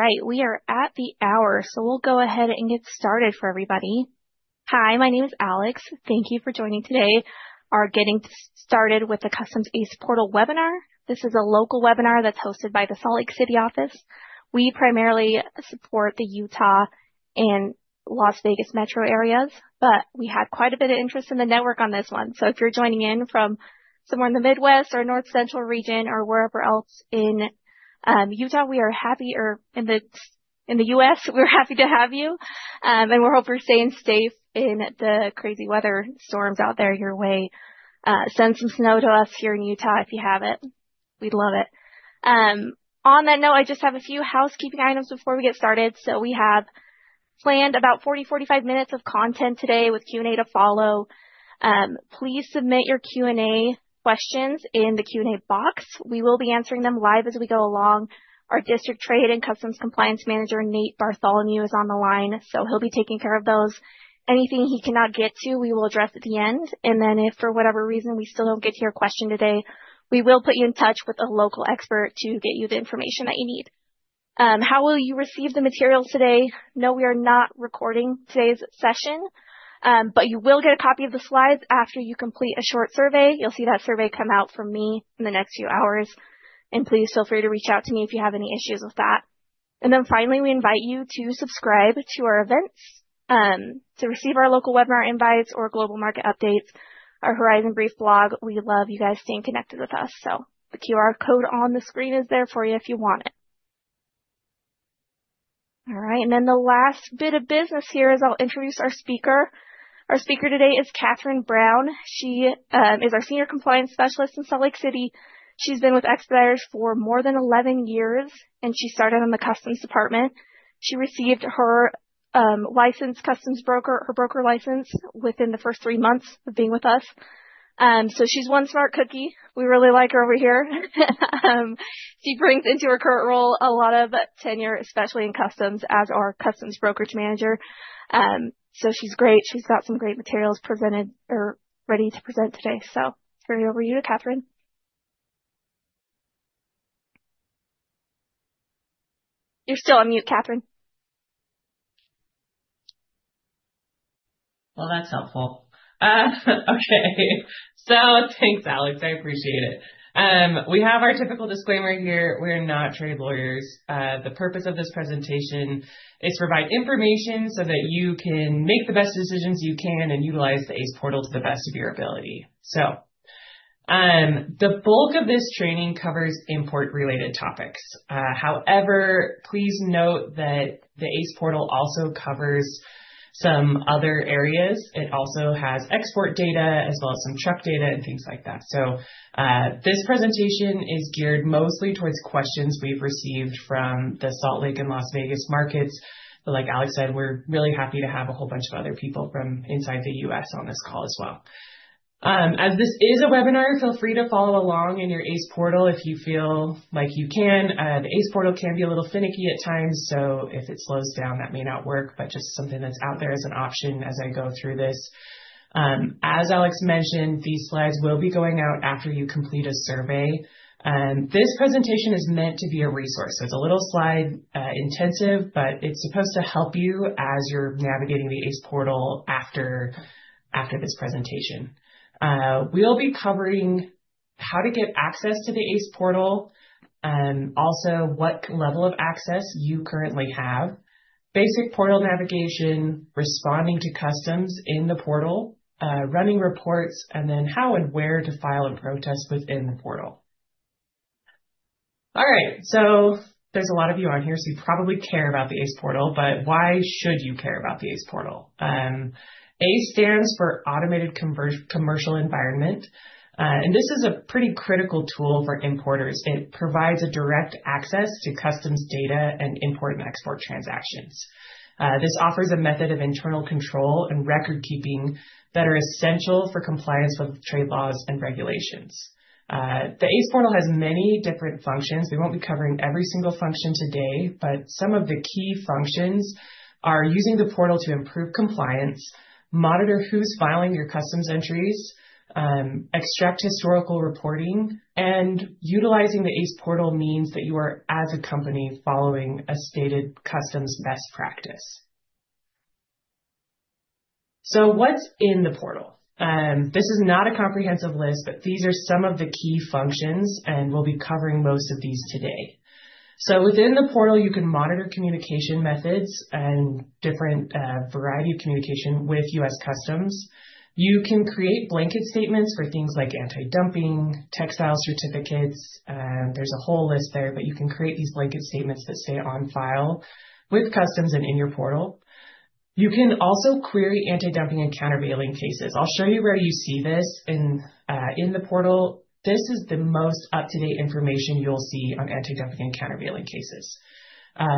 All right, we are at the hour, so we'll go ahead and get started for everybody. Hi, my name is Alex. Thank you for joining today, our Getting Started with the Customs ACE Portal webinar. This is a local webinar that's hosted by the Salt Lake City office. We primarily support the Utah and Las Vegas metro areas, but we had quite a bit of interest in the network on this one. So if you're joining in from somewhere in the Midwest or North Central region or wherever else in Utah, we are happy, in the U.S., we're happy to have you. And we hope you're staying safe in the crazy weather storms out there your way. Send some snow to us here in Utah if you have it. We'd love it. On that note, I just have a few housekeeping items before we get started. So we have planned about 40-45 minutes of content today with Q&A to follow. Please submit your Q&A questions in the Q&A box. We will be answering them live as we go along. Our District Trade and Customs Compliance Manager, Nate Bartholomew, is on the line, so he'll be taking care of those. Anything he cannot get to, we will address at the end. And then if for whatever reason, we still don't get to your question today, we will put you in touch with a local expert to get you the information that you need. How will you receive the materials today? No, we are not recording today's session, but you will get a copy of the slides after you complete a short survey. You'll see that survey come out from me in the next few hours, and please feel free to reach out to me if you have any issues with that. And then finally, we invite you to subscribe to our events to receive our local webinar invites or global market updates, our Horizon Brief blog. We love you guys staying connected with us, so the QR code on the screen is there for you if you want it. All right, and then the last bit of business here is I'll introduce our speaker. Our speaker today is Katherine Brown. She is our Senior Compliance Specialist in Salt Lake City. She's been with Expeditors for more than 11 years, and she started in the customs department. She received her licensed customs broker, her broker license within the first 3 months of being with us. So she's one smart cookie. We really like her over here. She brings into her current role a lot of tenure, especially in customs, as our customs brokerage manager. So she's great. She's got some great materials presented or ready to present today. So turning it over to you, Katherine. You're still on mute, Katherine. Well, that's helpful. Okay. So thanks, Alex. I appreciate it. We have our typical disclaimer here. We're not trade lawyers. The purpose of this presentation is to provide information so that you can make the best decisions you can and utilize the ACE Portal to the best of your ability. So, the bulk of this training covers import-related topics. However, please note that the ACE Portal also covers some other areas. It also has export data as well as some truck data and things like that. So, this presentation is geared mostly towards questions we've received from the Salt Lake and Las Vegas markets, but like Alex said, we're really happy to have a whole bunch of other people from inside the U.S. on this call as well. As this is a webinar, feel free to follow along in your ACE Portal if you feel like you can. The ACE Portal can be a little finicky at times, so if it slows down, that may not work, but just something that's out there as an option as I go through this. As Alex mentioned, these slides will be going out after you complete a survey. This presentation is meant to be a resource, so it's a little slide intensive, but it's supposed to help you as you're navigating the ACE Portal after, after this presentation. We'll be covering how to get access to the ACE Portal, also what level of access you currently have, basic portal navigation, responding to Customs in the portal, running reports, and then how and where to file a protest within the portal. All right, so there's a lot of you on here, so you probably care about the ACE portal, but why should you care about the ACE portal? ACE stands for Automated Commercial Environment, and this is a pretty critical tool for importers. It provides a direct access to customs data and import and export transactions. This offers a method of internal control and record keeping that are essential for compliance with trade laws and regulations. The ACE portal has many different functions. We won't be covering every single function today, but some of the key functions are using the portal to improve compliance, monitor who's filing your customs entries, extract historical reporting, and utilizing the ACE portal means that you are, as a company, following a stated customs best practice. So what's in the portal? This is not a comprehensive list, but these are some of the key functions, and we'll be covering most of these today. So within the portal, you can monitor communication methods and different variety of communication with U.S. Customs. You can create blanket statements for things like anti-dumping, textile certificates. There's a whole list there, but you can create these blanket statements that stay on file with customs and in your portal. You can also query anti-dumping and countervailing cases. I'll show you where you see this in the portal. This is the most up-to-date information you'll see on anti-dumping and countervailing cases.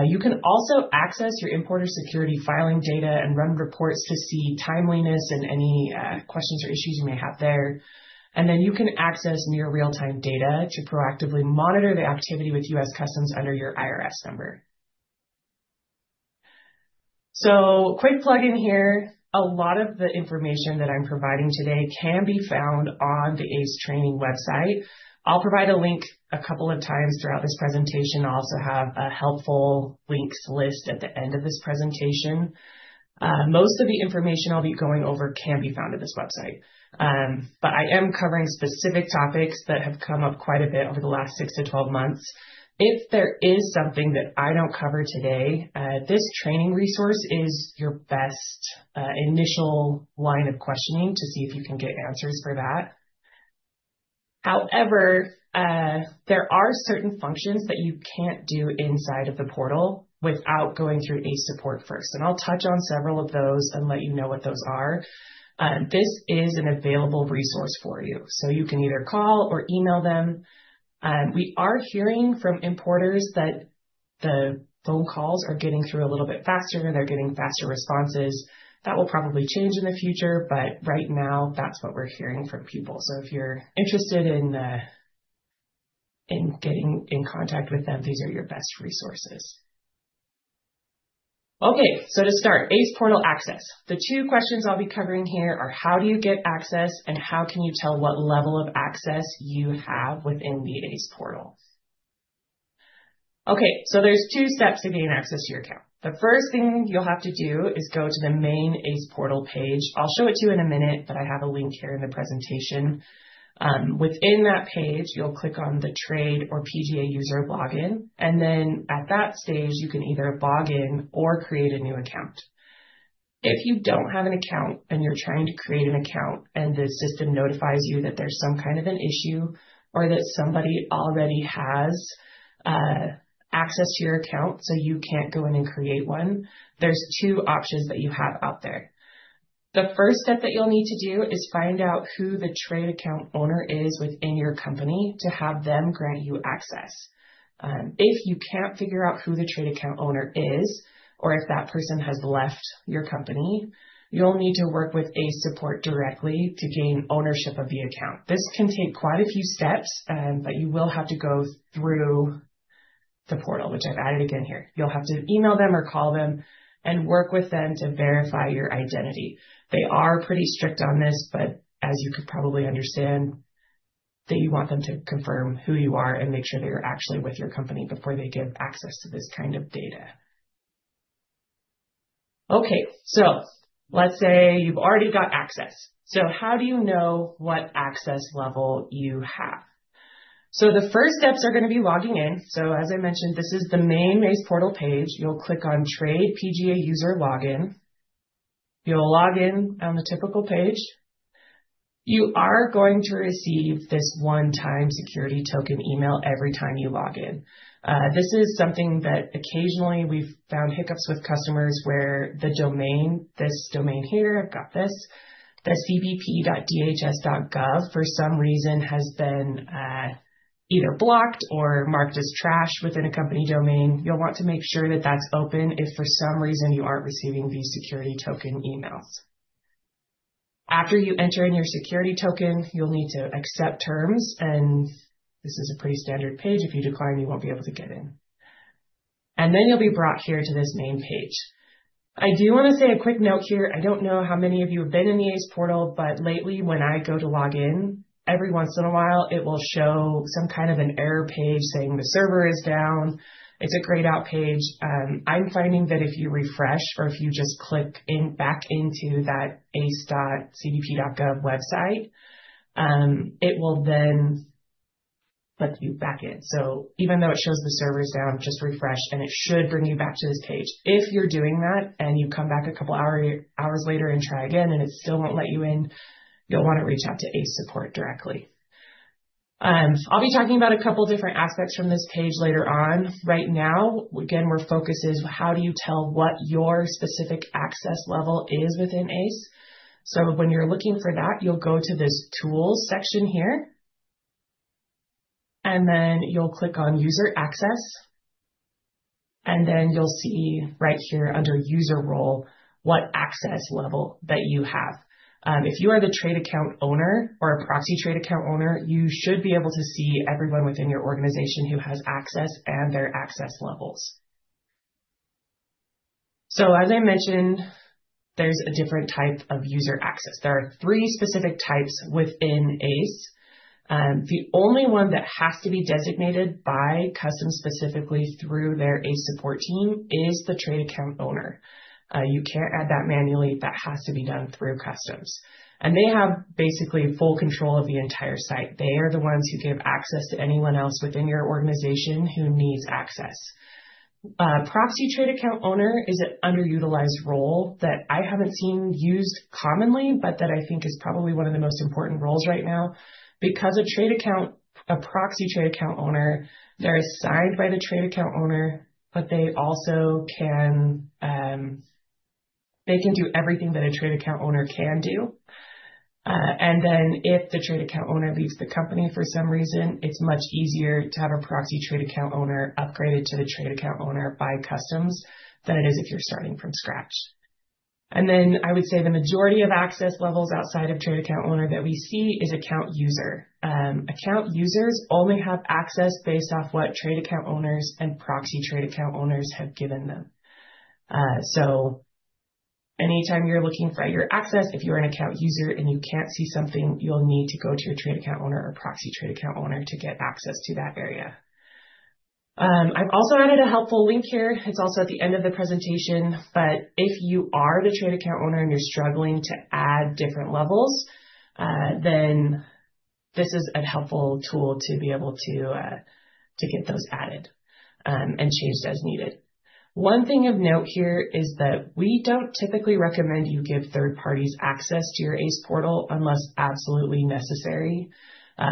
You can also access your Importer Security Filing data and run reports to see timeliness and any questions or issues you may have there. And then you can access near real-time data to proactively monitor the activity with U.S. Customs under your IRS number. So quick plug in here. A lot of the information that I'm providing today can be found on the ACE training website. I'll provide a link a couple of times throughout this presentation. I'll also have a helpful links list at the end of this presentation. Most of the information I'll be going over can be found at this website. But I am covering specific topics that have come up quite a bit over the last 6-12 months. If there is something that I don't cover today, this training resource is your best initial line of questioning to see if you can get answers for that. However, there are certain functions that you can't do inside of the portal without going through ACE Support first, and I'll touch on several of those and let you know what those are. This is an available resource for you, so you can either call or email them. We are hearing from importers that the phone calls are getting through a little bit faster, they're getting faster responses. That will probably change in the future, but right now, that's what we're hearing from people. So if you're interested in getting in contact with them, these are your best resources. Okay, so to start, ACE Portal access. The two questions I'll be covering here are: how do you get access and how can you tell what level of access you have within the ACE Portal? Okay, so there's two steps to gaining access to your account. The first thing you'll have to do is go to the main ACE Portal page. I'll show it to you in a minute, but I have a link here in the presentation. Within that page, you'll click on the Trade or PGA User Login, and then at that stage, you can either log in or create a new account. If you don't have an account and you're trying to create an account, and the system notifies you that there's some kind of an issue or that somebody already has access to your account, so you can't go in and create one, there's two options that you have out there. The first step that you'll need to do is find out who the Trade Account Owner is within your company to have them grant you access. If you can't figure out who the Trade Account Owner is, or if that person has left your company, you'll need to work with ACE Support directly to gain ownership of the account. This can take quite a few steps, but you will have to go through the portal, which I've added again here. You'll have to email them or call them and work with them to verify your identity. They are pretty strict on this, but as you could probably understand, that you want them to confirm who you are and make sure that you're actually with your company before they give access to this kind of data. Okay, so let's say you've already got access. So how do you know what access level you have? So the first steps are going to be logging in. So as I mentioned, this is the main ACE Portal page. You'll click on Trade PGA User Login. You'll log in on the typical page. You are going to receive this one-time security token email every time you log in. This is something that occasionally we've found hiccups with customers where the domain, this domain here, I've got this, the cbp.dhs.gov, for some reason, has been, either blocked or marked as trash within a company domain. You'll want to make sure that that's open if for some reason you aren't receiving these security token emails. After you enter in your security token, you'll need to accept terms, and this is a pretty standard page. If you decline, you won't be able to get in. And then you'll be brought here to this main page. I do want to say a quick note here. I don't know how many of you have been in the ACE Portal, but lately, when I go to log in, every once in a while, it will show some kind of an error page saying the server is down. It's a grayed out page. I'm finding that if you refresh or if you just click in back into that ace.cbp.gov website, it will then let you back in. So even though it shows the server is down, just refresh and it should bring you back to this page. If you're doing that and you come back a couple hours later and try again and it still won't let you in, you'll want to reach out to ACE Support directly. I'll be talking about a couple different aspects from this page later on. Right now, again, our focus is how do you tell what your specific access level is within ACE? So when you're looking for that, you'll go to this tools section here, and then you'll click on User Access, and then you'll see right here under user role, what access level that you have. If you are the Trade Account Owner or a Proxy Trade Account Owner, you should be able to see everyone within your organization who has access and their access levels. So as I mentioned, there's a different type of user access. There are three specific types within ACE. The only one that has to be designated by Customs, specifically through their ACE support team, is the Trade Account Owner. You can't add that manually. That has to be done through Customs, and they have basically full control of the entire site. They are the ones who give access to anyone else within your organization who needs access. Proxy Trade Account Owner is an underutilized role that I haven't seen used commonly, but that I think is probably one of the most important roles right now, because a trade account—a Proxy Trade Account Owner, they're assigned by the Trade Account Owner, but they also can, they can do everything that a Trade Account Owner can do. And then if the Trade Account Owner leaves the company for some reason, it's much easier to have a Proxy Trade Account Owner upgraded to the Trade Account Owner by Customs than it is if you're starting from scratch. And then I would say the majority of access levels outside of Trade Account Owner that we see is Account User. Account users only have access based off what Trade Account Owners and Proxy Trade Account Owners have given them. So anytime you're looking for your access, if you are an account user and you can't see something, you'll need to go to your Trade Account Owner or Proxy Trade Account Owner to get access to that area. I've also added a helpful link here. It's also at the end of the presentation, but if you are the Trade Account Owner and you're struggling to add different levels, then this is a helpful tool to be able to get those added, and changed as needed. One thing of note here is that we don't typically recommend you give third parties access to your ACE Portal unless absolutely necessary.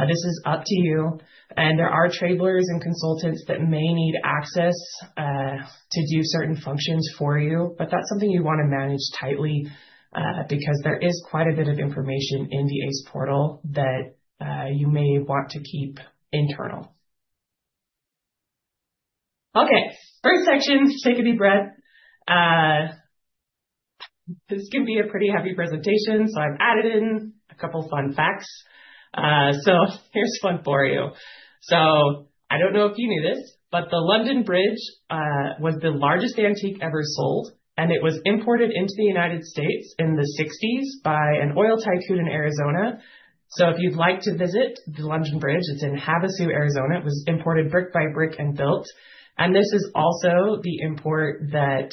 This is up to you, and there are travelers and consultants that may need access to do certain functions for you, but that's something you'd want to manage tightly because there is quite a bit of information in the ACE Portal that you may want to keep internal. Okay, third section. Take a deep breath. This is going to be a pretty heavy presentation, so I've added in a couple fun facts. So here's one for you. So I don't know if you knew this, but the London Bridge was the largest antique ever sold, and it was imported into the United States in the sixties by an oil tycoon in Arizona. So if you'd like to visit the London Bridge, it's in Havasu, Arizona. It was imported brick by brick and built, and this is also the import that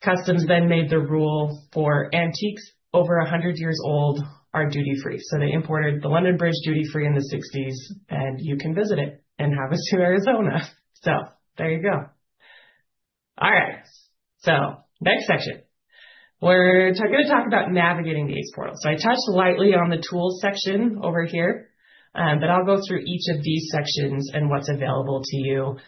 Customs then made the rule for antiques over a hundred years old are duty-free. So they imported the London Bridge duty-free in the sixties, and you can visit it in Havasu, Arizona. So there you go. All right, so next section. We're going to talk about navigating the ACE Portal. So I touched lightly on the tools section over here, but I'll go through each of these sections and what's available to you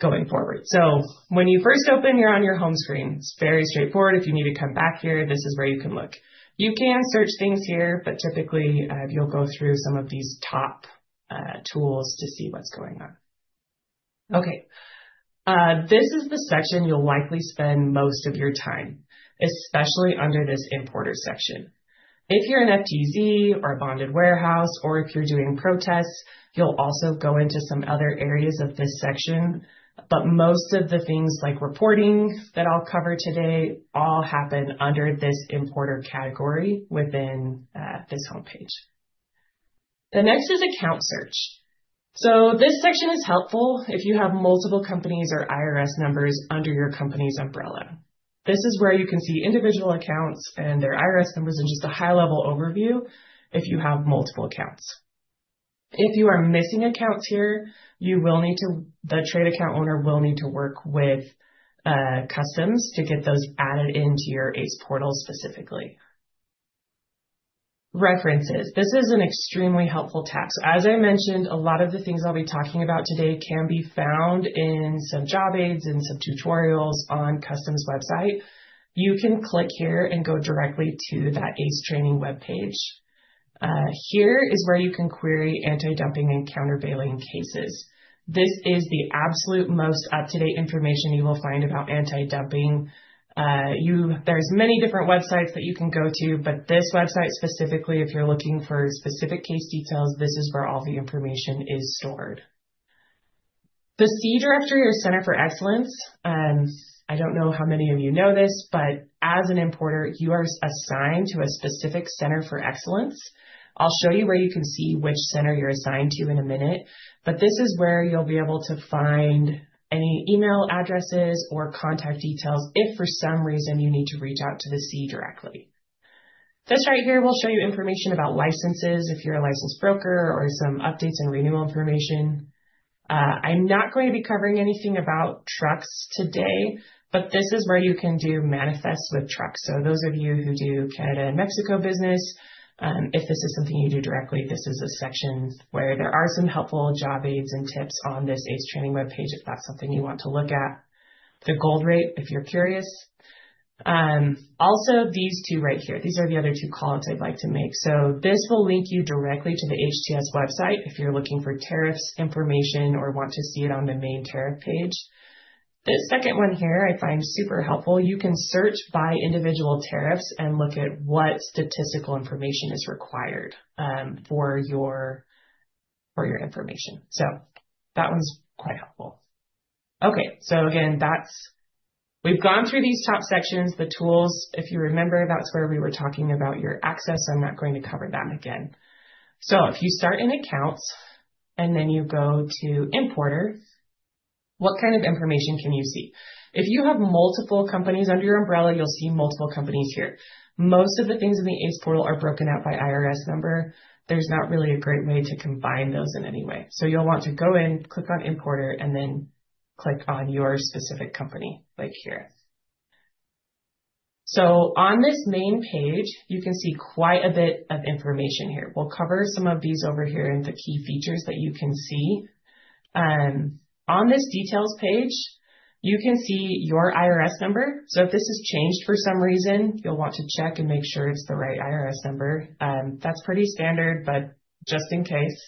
going forward. So when you first open, you're on your home screen. It's very straightforward. If you need to come back here, this is where you can look. You can search things here, but typically, you'll go through some of these top tools to see what's going on. Okay, this is the section you'll likely spend most of your time, especially under this importer section. If you're an FTZ or a Bonded Warehouse or if you're doing protests, you'll also go into some other areas of this section. But most of the things like reporting that I'll cover today all happen under this importer category within this homepage. The next is account search. So this section is helpful if you have multiple companies or IRS numbers under your company's umbrella. This is where you can see individual accounts and their IRS numbers, and just a high-level overview if you have multiple accounts. If you are missing accounts here, the Trade Account Owner will need to work with Customs to get those added into your ACE Portal specifically. References. This is an extremely helpful tab. So as I mentioned, a lot of the things I'll be talking about today can be found in some job aids and some tutorials on Customs website. You can click here and go directly to that ACE training webpage. Here is where you can query antidumping and countervailing cases. This is the absolute most up-to-date information you will find about antidumping. There's many different websites that you can go to, but this website specifically, if you're looking for specific case details, this is where all the information is stored. The CEE directory or Center for Excellence, I don't know how many of you know this, but as an importer, you are assigned to a specific Center for Excellence. I'll show you where you can see which center you're assigned to in a minute, but this is where you'll be able to find any email addresses or contact details if for some reason you need to reach out to the CEE directly. This right here will show you information about licenses if you're a licensed broker or some updates and renewal information. I'm not going to be covering anything about trucks today, but this is where you can do manifests with trucks. So those of you who do Canada and Mexico business, if this is something you do directly, this is a section where there are some helpful job aids and tips on this ACE training webpage, if that's something you want to look at. The gold rate, if you're curious. Also, these two right here, these are the other two calls I'd like to make. So this will link you directly to the HTS website if you're looking for tariffs information or want to see it on the main tariff page. This second one here I find super helpful. You can search by individual tariffs and look at what statistical information is required for your information. So that one's quite helpful. Okay, so again, that's... We've gone through these top sections, the tools, if you remember, that's where we were talking about your access. I'm not going to cover them again. So if you start in accounts and then you go to importer, what kind of information can you see? If you have multiple companies under your umbrella, you'll see multiple companies here. Most of the things in the ACE Portal are broken out by IRS number. There's not really a great way to combine those in any way, so you'll want to go in, click on Importer, and then click on your specific company, like here. So on this main page, you can see quite a bit of information here. We'll cover some of these over here and the key features that you can see. On this details page, you can see your IRS number. So if this has changed for some reason, you'll want to check and make sure it's the right IRS number. That's pretty standard, but just in case.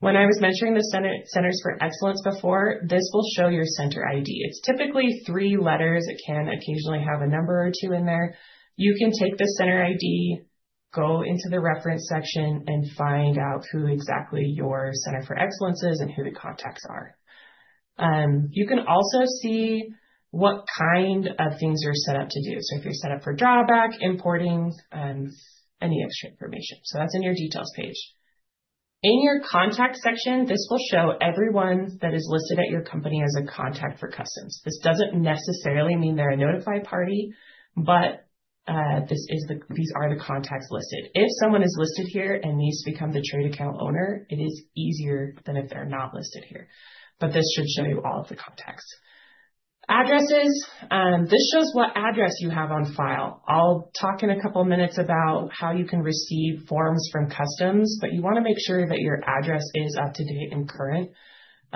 When I was mentioning the Center, Centers for Excellence before, this will show your center ID. It's typically three letters. It can occasionally have a number or two in there. You can take the center ID-... Go into the reference section and find out who exactly your center for excellence is and who the contacts are. You can also see what kind of things you're set up to do. So if you're set up for drawback, importing, any extra information. So that's in your details page. In your contact section, this will show everyone that is listed at your company as a contact for customs. This doesn't necessarily mean they're a notified party, but these are the contacts listed. If someone is listed here and needs to become the Trade Account Owner, it is easier than if they're not listed here, but this should show you all of the contacts. Addresses, this shows what address you have on file. I'll talk in a couple of minutes about how you can receive forms from Customs, but you want to make sure that your address is up-to-date and current.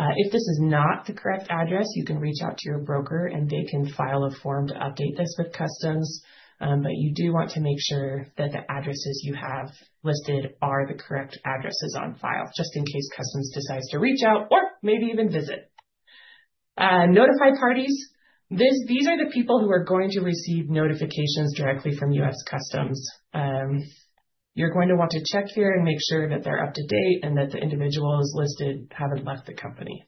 If this is not the correct address, you can reach out to your broker, and they can file a form to update this with Customs. But you do want to make sure that the addresses you have listed are the correct addresses on file, just in case Customs decides to reach out or maybe even visit. Notify parties. These are the people who are going to receive notifications directly from US Customs. You're going to want to check here and make sure that they're up to date and that the individuals listed haven't left the company.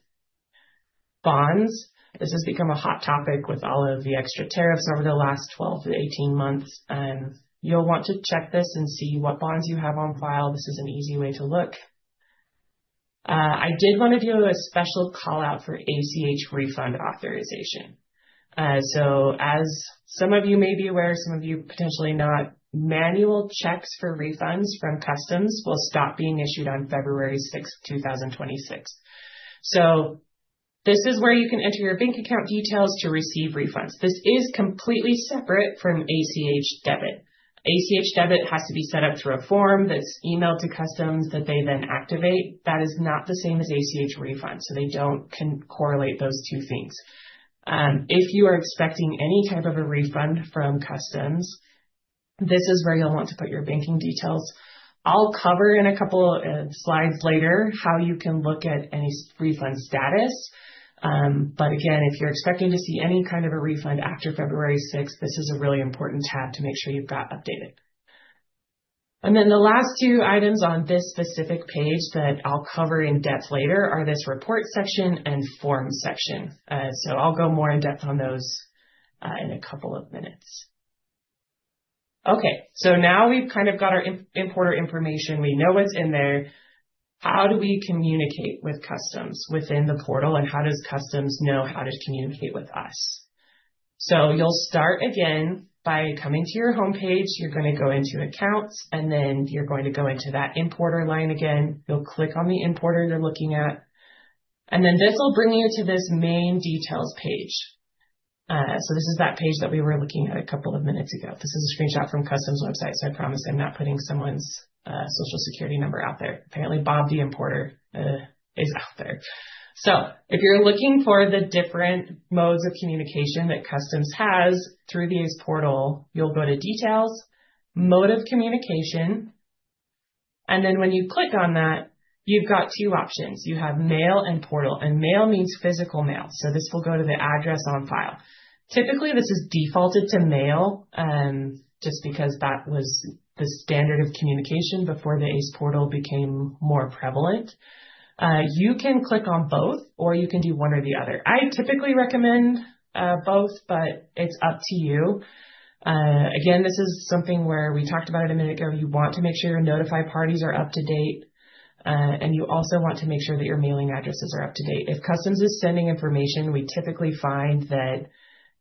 Bonds. This has become a hot topic with all of the extra tariffs over the last 12-18 months, and you'll want to check this and see what bonds you have on file. This is an easy way to look. I did want to do a special call-out for ACH Refund Authorization. So as some of you may be aware, some of you potentially not, manual checks for refunds from Customs will stop being issued on February 6th, 2026. So this is where you can enter your bank account details to receive refunds. This is completely separate from ACH debit. ACH debit has to be set up through a form that's emailed to Customs that they then activate. That is not the same as ACH refund, so they don't correlate those two things. If you are expecting any type of a refund from Customs, this is where you'll want to put your banking details. I'll cover in a couple of slides later how you can look at any refund status. But again, if you're expecting to see any kind of a refund after February sixth, this is a really important tab to make sure you've got updated. And then the last two items on this specific page that I'll cover in depth later are this report section and form section. So I'll go more in depth on those in a couple of minutes. Okay, so now we've kind of got our importer information. We know what's in there. How do we communicate with Customs within the portal, and how does Customs know how to communicate with us? So you'll start again by coming to your homepage. You're going to go into Accounts, and then you're going to go into that Importer line again. You'll click on the importer you're looking at, and then this will bring you to this main details page. So this is that page that we were looking at a couple of minutes ago. This is a screenshot from Customs website, so I promise I'm not putting someone's Social Security number out there. Apparently, Bob, the importer, is out there. So if you're looking for the different modes of communication that Customs has through the ACE Portal, you'll go to Details, Mode of Communication, and then when you click on that, you've got two options. You have mail and portal, and mail means physical mail, so this will go to the address on file. Typically, this is defaulted to mail, just because that was the standard of communication before the ACE Portal became more prevalent. You can click on both, or you can do one or the other. I typically recommend both, but it's up to you. Again, this is something where we talked about it a minute ago, you want to make sure your notify parties are up to date, and you also want to make sure that your mailing addresses are up to date. If Customs is sending information, we typically find that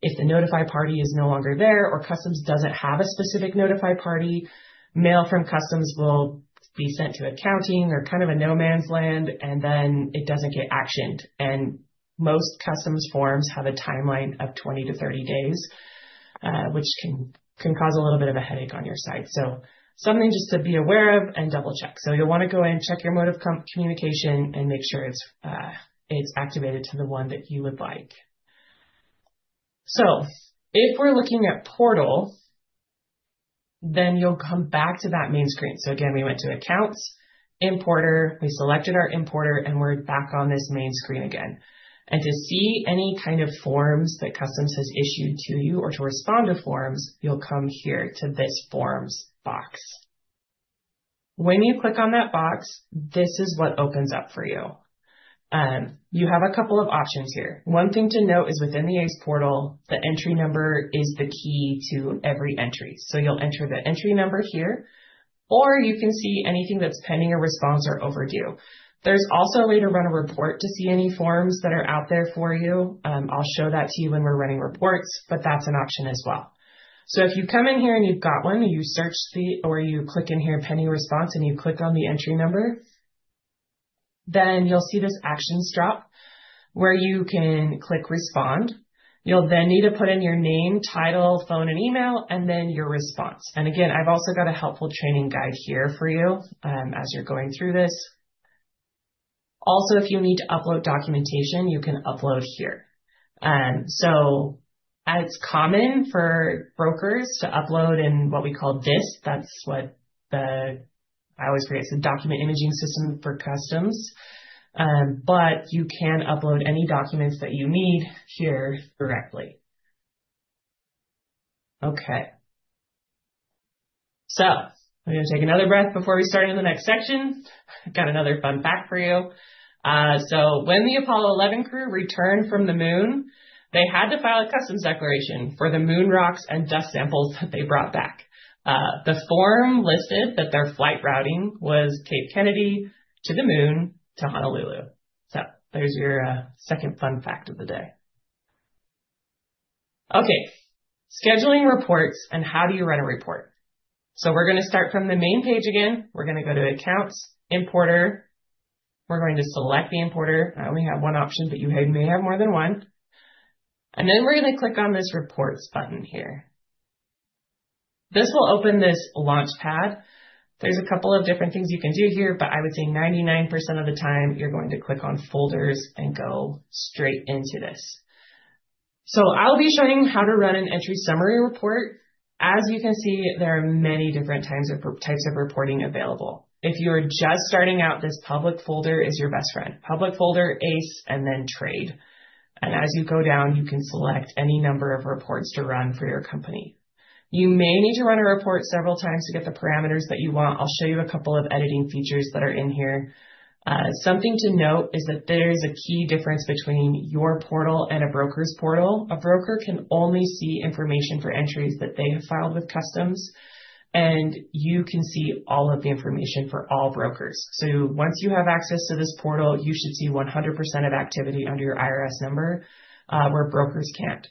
if the notify party is no longer there or Customs doesn't have a specific notify party, mail from Customs will be sent to accounting or kind of a no-man's land, and then it doesn't get actioned. Most Customs forms have a timeline of 20-30 days, which can cause a little bit of a headache on your side. So something just to be aware of and double-check. You'll want to go in and check your mode of communication and make sure it's activated to the one that you would like. If we're looking at portal, then you'll come back to that main screen. Again, we went to Accounts, Importer, we selected our importer, and we're back on this main screen again. To see any kind of forms that Customs has issued to you or to respond to forms, you'll come here to this forms box. When you click on that box, this is what opens up for you. You have a couple of options here. One thing to note is within the ACE Portal, the entry number is the key to every entry. So you'll enter the entry number here, or you can see anything that's pending a response or overdue. There's also a way to run a report to see any forms that are out there for you. I'll show that to you when we're running reports, but that's an option as well. So if you come in here and you've got one, or you click in here, Pending Response, and you click on the entry number, then you'll see this Actions drop, where you can click Respond. You'll then need to put in your name, title, phone and email, and then your response. And again, I've also got a helpful training guide here for you, as you're going through this. Also, if you need to upload documentation, you can upload here. It's common for brokers to upload in what we call DIS. I always forget. It's a document imaging system for customs. But you can upload any documents that you need here directly. Okay, I'm going to take another breath before we start in the next section. I've got another fun fact for you. When the Apollo 11 crew returned from the moon, they had to file a customs declaration for the moon rocks and dust samples that they brought back. This form listed that their flight routing was Cape Kennedy to the Moon to Honolulu. So there's your second fun fact of the day. Okay, scheduling reports and how do you run a report? We're going to start from the main page again. We're going to go to Accounts, Importer. We're going to select the importer. I only have one option, but you may have more than one. And then we're going to click on this Reports button here. This will open this launch pad. There's a couple of different things you can do here, but I would say 99% of the time, you're going to click on Folders and go straight into this. So I'll be showing how to run an entry summary report. As you can see, there are many different types of, types of reporting available. If you are just starting out, this public folder is your best friend. Public folder, ACE, and then Trade, and as you go down, you can select any number of reports to run for your company. You may need to run a report several times to get the parameters that you want. I'll show you a couple of editing features that are in here. Something to note is that there's a key difference between your portal and a broker's portal. A broker can only see information for entries that they have filed with Customs, and you can see all of the information for all brokers. So once you have access to this portal, you should see 100% of activity under your IRS number, where brokers can't.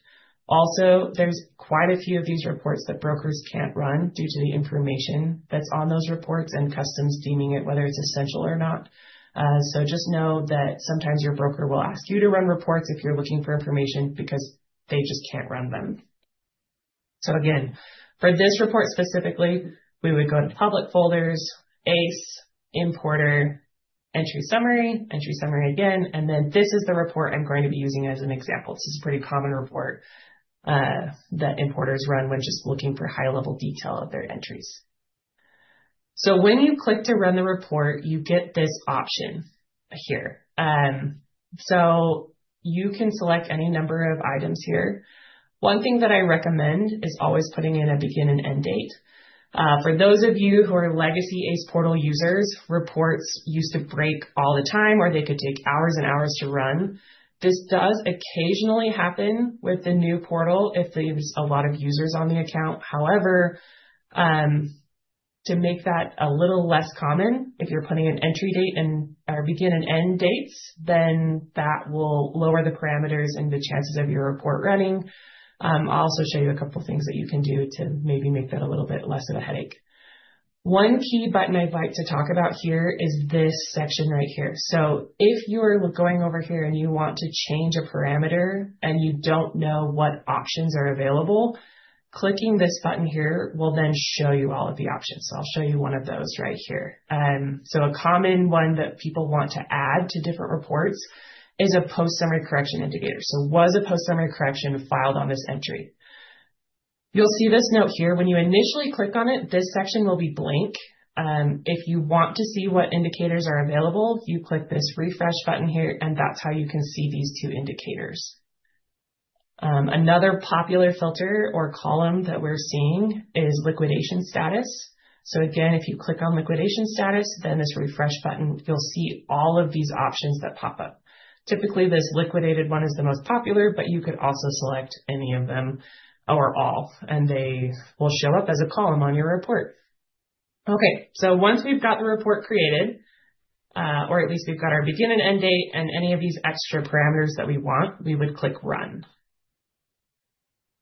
Also, there's quite a few of these reports that brokers can't run due to the information that's on those reports and Customs deeming it, whether it's essential or not. So just know that sometimes your broker will ask you to run reports if you're looking for information because they just can't run them. So again, for this report specifically, we would go to Public Folders, ACE, Importer, Entry Summary, Entry Summary again, and then this is the report I'm going to be using as an example. This is a pretty common report that importers run when just looking for high-level detail of their entries. So when you click to run the report, you get this option here. So you can select any number of items here. One thing that I recommend is always putting in a begin and end date. For those of you who are legacy ACE Portal users, reports used to break all the time, or they could take hours and hours to run. This does occasionally happen with the new Portal if there's a lot of users on the account. However, to make that a little less common, if you're putting an entry date and/or begin and end dates, then that will lower the parameters and the chances of your report running. I'll also show you a couple of things that you can do to maybe make that a little bit less of a headache. One key button I'd like to talk about here is this section right here. So if you're going over here and you want to change a parameter and you don't know what options are available, clicking this button here will then show you all of the options. So I'll show you one of those right here. So a common one that people want to add to different reports is a Post Summary Correction indicator. So was a Post Summary Correction filed on this entry? You'll see this note here. When you initially click on it, this section will be blank. If you want to see what indicators are available, you click this Refresh button here, and that's how you can see these two indicators. Another popular filter or column that we're seeing is Liquidation Status. So again, if you click on Liquidation Status, then this Refresh button, you'll see all of these options that pop up. Typically, this liquidated one is the most popular, but you could also select any of them or all, and they will show up as a column on your report. Okay, so once we've got the report created, or at least we've got our begin and end date and any of these extra parameters that we want, we would click Run.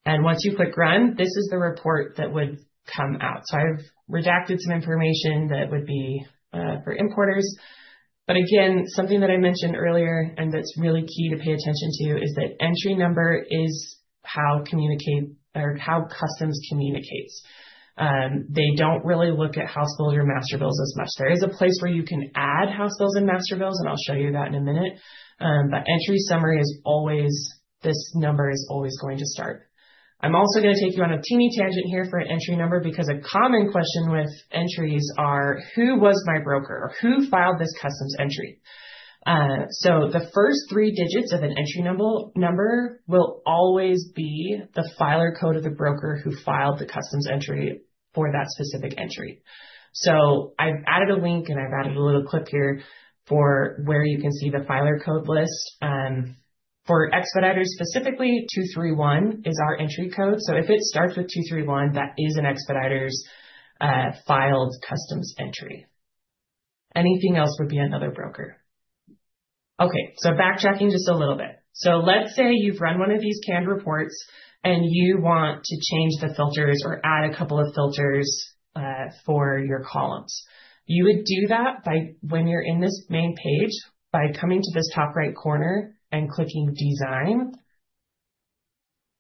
And once you click Run, this is the report that would come out. So I've redacted some information that would be, for importers. But again, something that I mentioned earlier and that's really key to pay attention to, is that entry number is how Customs communicates. They don't really look at house bills or master bills as much. There is a place where you can add house bills and master bills, and I'll show you that in a minute. But entry summary is always, this number is always going to start. I'm also going to take you on a teeny tangent here for an entry number, because a common question with entries are: Who was my broker? Or who filed this customs entry? So the first three digits of an entry number will always be the filer code of the broker who filed the customs entry for that specific entry. So I've added a link, and I've added a little clip here for where you can see the filer code list. For Expeditors, specifically, 231 is our entry code. So if it starts with 231, that is an Expeditors filed customs entry. Anything else would be another broker. Okay, so backtracking just a little bit. So let's say you've run one of these canned reports and you want to change the filters or add a couple of filters for your columns. You would do that by, when you're in this main page, by coming to this top right corner and clicking Design.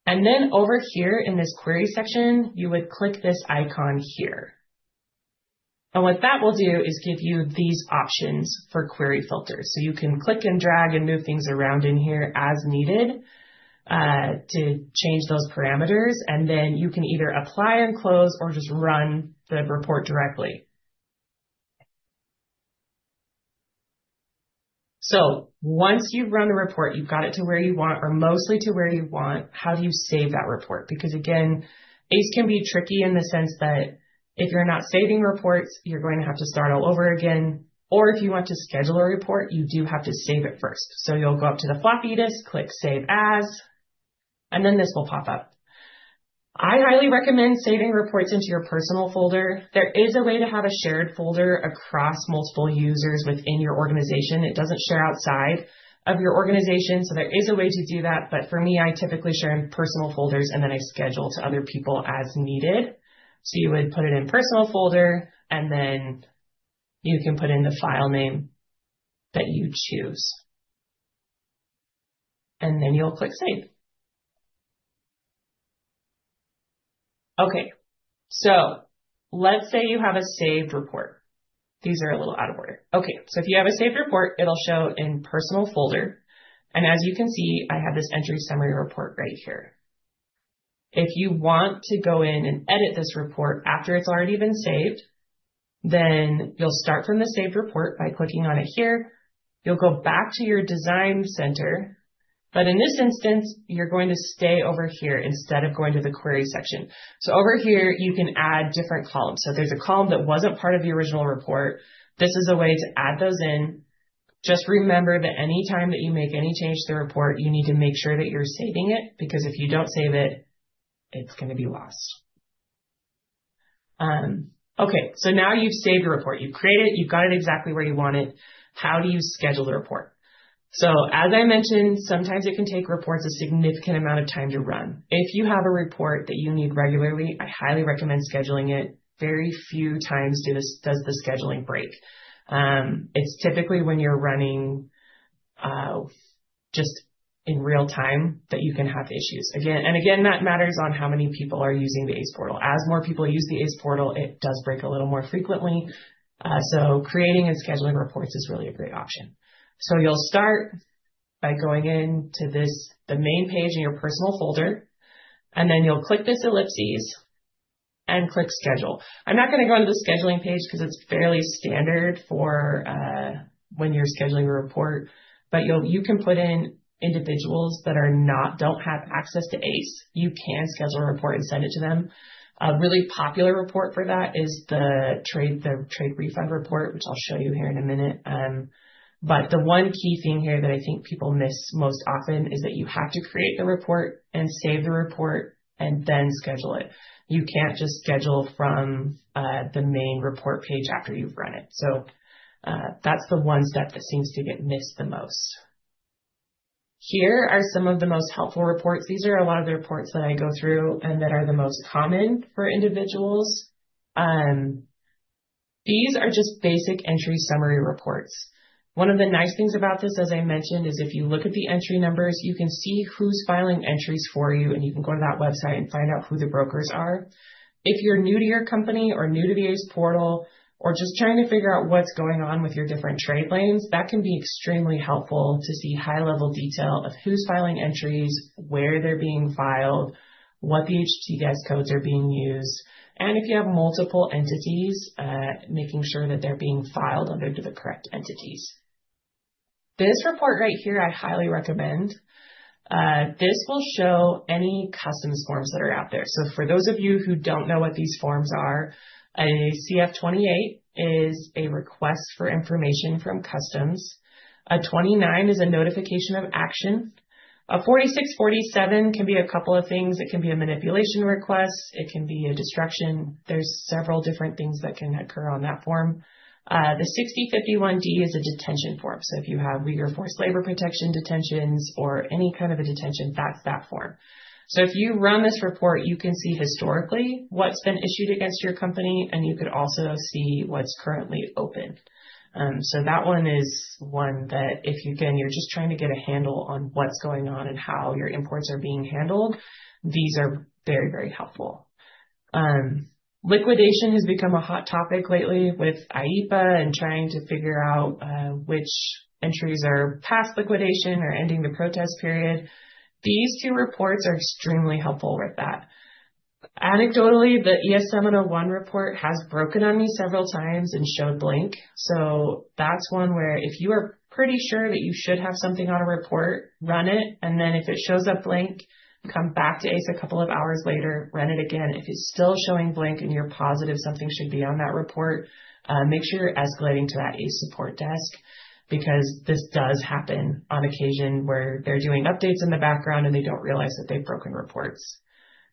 And then over here in this query section, you would click this icon here. And what that will do is give you these options for query filters. So you can click and drag and move things around in here as needed, to change those parameters. Then you can either apply and close or just run the report directly.... Once you've run a report, you've got it to where you want or mostly to where you want, how do you save that report? Because, again, ACE can be tricky in the sense that if you're not saving reports, you're going to have to start all over again. If you want to schedule a report, you do have to save it first. You'll go up to the floppy disk, click Save As, and then this will pop up. I highly recommend saving reports into your personal folder. There is a way to have a shared folder across multiple users within your organization. It doesn't share outside of your organization, so there is a way to do that. For me, I typically share in personal folders, and then I share to other people as needed. You would put it in personal folder, and then you can put in the file name that you choose. Then you'll click Save. Okay, let's say you have a saved report. These are a little out of order. Okay, if you have a saved report, it'll show in personal folder, and as you can see, I have this Entry Summary report right here. If you want to go in and edit this report after it's already been saved, then you'll start from the saved report by clicking on it here. You'll go back to your design center, but in this instance, you're going to stay over here instead of going to the query section. So over here, you can add different columns. So if there's a column that wasn't part of the original report, this is a way to add those in. Just remember that any time that you make any change to the report, you need to make sure that you're saving it, because if you don't save it, it's going to be lost. Okay, so now you've saved your report, you've created it, you've got it exactly where you want it. How do you schedule the report? So, as I mentioned, sometimes it can take reports a significant amount of time to run. If you have a report that you need regularly, I highly recommend scheduling it. Very few times does the scheduling break. It's typically when you're running just in real time, that you can have issues. That matters on how many people are using the ACE Portal. As more people use the ACE Portal, it does break a little more frequently. So creating and scheduling reports is really a great option. So you'll start by going into this, the main page in your personal folder, and then you'll click this ellipses and click Schedule. I'm not going to go into the scheduling page because it's fairly standard for when you're scheduling a report, but you can put in individuals that don't have access to ACE. You can schedule a report and send it to them. A really popular report for that is the trade, the trade refund report, which I'll show you here in a minute. But the one key thing here that I think people miss most often is that you have to create the report and save the report and then schedule it. You can't just schedule from the main report page after you've run it. So, that's the one step that seems to get missed the most. Here are some of the most helpful reports. These are a lot of the reports that I go through and that are the most common for individuals. These are just basic Entry Summary reports. One of the nice things about this, as I mentioned, is if you look at the entry numbers, you can see who's filing entries for you, and you can go to that website and find out who the brokers are. If you're new to your company or new to the ACE portal, or just trying to figure out what's going on with your different trade lanes, that can be extremely helpful to see high-level detail of who's filing entries, where they're being filed, what the HTS codes are being used, and if you have multiple entities, making sure that they're being filed under the correct entities. This report right here, I highly recommend. This will show any customs forms that are out there. So for those of you who don't know what these forms are, a CF-28 is a request for information from Customs. A 29 is a notification of action. A 46, 47 can be a couple of things. It can be a manipulation request, it can be a destruction. There's several different things that can occur on that form. The 6051D is a detention form. So if you have UFLPA or forced labor protection detentions or any kind of a detention, that's that form. So if you run this report, you can see historically what's been issued against your company, and you could also see what's currently open. So that one is one that if, again, you're just trying to get a handle on what's going on and how your imports are being handled, these are very, very helpful. Liquidation has become a hot topic lately with IEEPA and trying to figure out which entries are past liquidation or ending the protest period. These two reports are extremely helpful with that. Anecdotally, the ES-701 report has broken on me several times and showed blank. So that's one where if you are pretty sure that you should have something on a report, run it, and then if it shows up blank, come back to ACE a couple of hours later, run it again. If it's still showing blank and you're positive something should be on that report, make sure you're escalating to that ACE support desk, because this does happen on occasion where they're doing updates in the background and they don't realize that they've broken reports.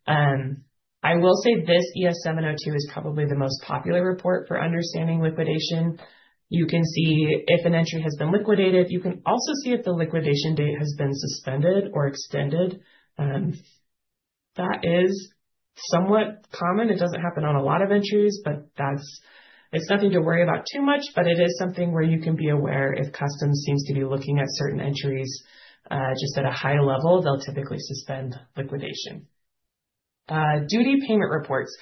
I will say this, ES-702 is probably the most popular report for understanding liquidation. You can see if an entry has been liquidated. You can also see if the liquidation date has been suspended or extended. That is somewhat common. It doesn't happen on a lot of entries, but that's... It's nothing to worry about too much, but it is something where you can be aware if Customs seems to be looking at certain entries, just at a high level, they'll typically suspend liquidation. Duty payment reports.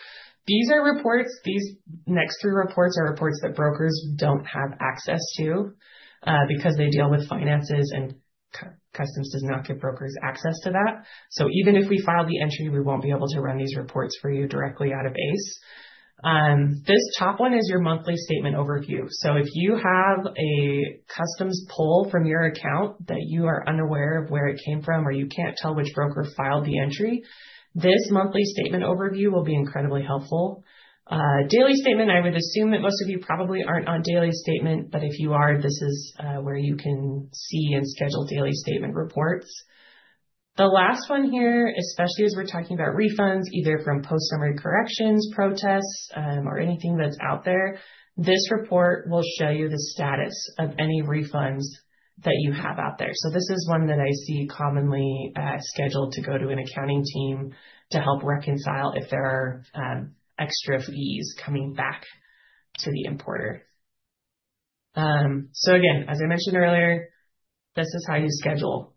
These are reports, these next three reports are reports that brokers don't have access to, because they deal with finances and Customs does not give brokers access to that. So even if we file the entry, we won't be able to run these reports for you directly out of ACE. This top one is your monthly statement overview. So if you have a Customs pull from your account that you are unaware of where it came from or you can't tell which broker filed the entry, this monthly statement overview will be incredibly helpful. Daily statement, I would assume that most of you probably aren't on daily statement, but if you are, this is where you can see and schedule daily statement reports. The last one here, especially as we're talking about refunds, either from post summary corrections, protests, or anything that's out there, this report will show you the status of any refunds that you have out there. So this is one that I see commonly scheduled to go to an accounting team to help reconcile if there are extra fees coming back to the importer. So again, as I mentioned earlier, this is how you schedule.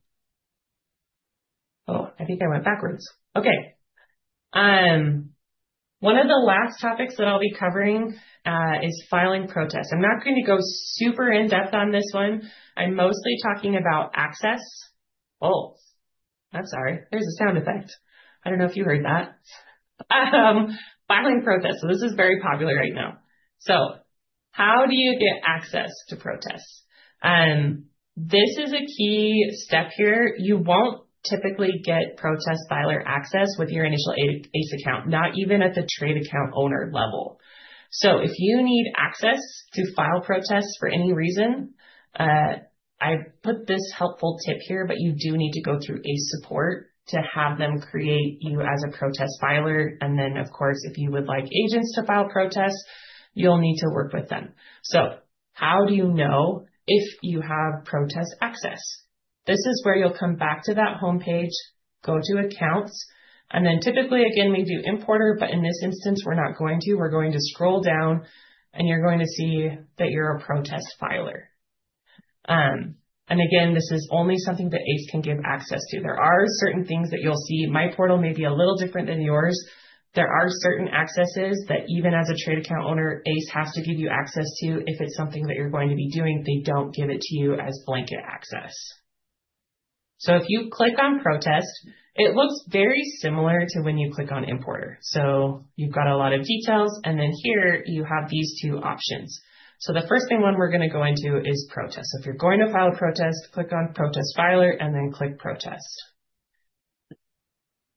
Oh, I think I went backwards. Okay. One of the last topics that I'll be covering is filing protests. I'm not going to go super in-depth on this one. I'm mostly talking about access. Oh! I'm sorry. There's a sound effect. I don't know if you heard that. Filing protests. So this is very popular right now. So how do you get access to protests? This is a key step here. You won't typically get protest filer access with your initial A-ACE account, not even at the Trade Account Owner level. So if you need access to file protests for any reason, I put this helpful tip here, but you do need to go through ACE support to have them create you as a protest filer. And then, of course, if you would like agents to file protests, you'll need to work with them. So how do you know if you have protest access? This is where you'll come back to that homepage, go to Accounts, and then typically again, we do Importer, but in this instance, we're not going to. We're going to scroll down, and you're going to see that you're a protest filer. Again, this is only something that ACE can give access to. There are certain things that you'll see. My portal may be a little different than yours. There are certain accesses that even as a Trade Account Owner, ACE has to give you access to if it's something that you're going to be doing. They don't give it to you as blanket access. If you click on Protest, it looks very similar to when you click on Importer. You've got a lot of details, and then here you have these two options. The first thing we're going to go into is Protest. If you're going to file a protest, click on Protest Filer, and then click Protest.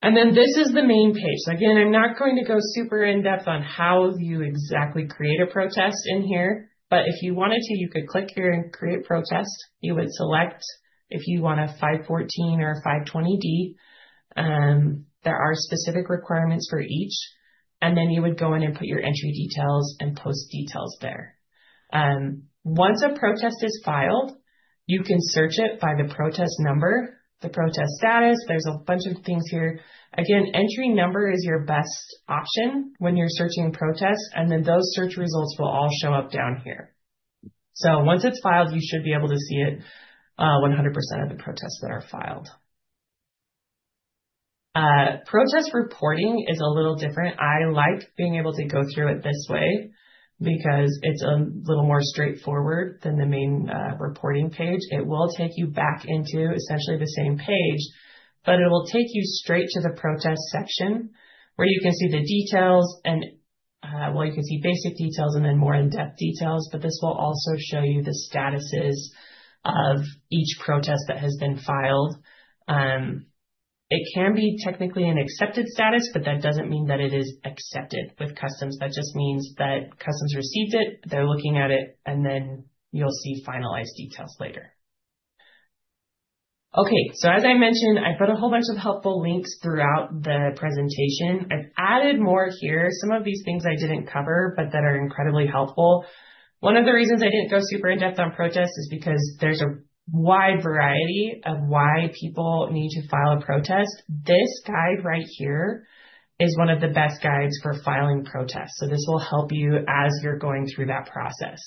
Then this is the main page. So again, I'm not going to go super in-depth on how you exactly create a protest in here, but if you wanted to, you could click here and create protest. You would select if you want a 514 or a 520D, there are specific requirements for each, and then you would go in and put your entry details and post details there. Once a protest is filed, you can search it by the protest number, the protest status. There's a bunch of things here. Again, entry number is your best option when you're searching a protest, and then those search results will all show up down here. So once it's filed, you should be able to see it, 100% of the protests that are filed. Protest reporting is a little different. I like being able to go through it this way because it's a little more straightforward than the main reporting page. It will take you back into essentially the same page, but it will take you straight to the protest section, where you can see the details and well, you can see basic details and then more in-depth details, but this will also show you the statuses of each protest that has been filed. It can be technically an accepted status, but that doesn't mean that it is accepted with Customs. That just means that Customs received it, they're looking at it, and then you'll see finalized details later. Okay, so as I mentioned, I put a whole bunch of helpful links throughout the presentation. I've added more here. Some of these things I didn't cover, but that are incredibly helpful. One of the reasons I didn't go super in-depth on protests is because there's a wide variety of why people need to file a protest. This guide right here is one of the best guides for filing protests, so this will help you as you're going through that process.